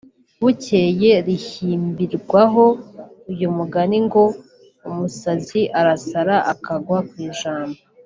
Bukeye rihimbirwaho uyu mugani ngo «Umusazi arasara akagwa kw’ijambo»